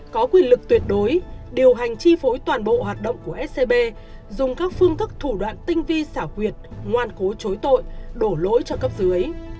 có quyền lực tuyệt đối điều hành chi phối toàn bộ hoạt động của scb dùng các phương thức thủ đoạn tinh vi xảo quyệt ngoan cố chối tội đổ lỗi cho cấp dưới